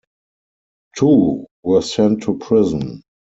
Two were sent to prison.